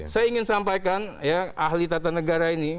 saya ingin sampaikan ya ahli tata negara ini